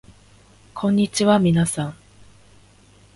こんにちはみなさん